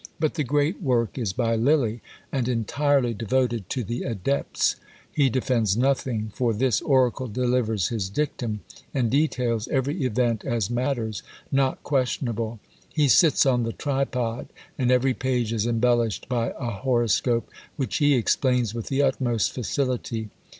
But the great work is by Lilly; and entirely devoted to the adepts. He defends nothing; for this oracle delivers his dictum, and details every event as matters not questionable. He sits on the tripod; and every page is embellished by a horoscope, which he explains with the utmost facility.